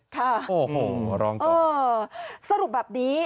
ค่ะโอ้โหรองตอบเออสรุปแบบนี้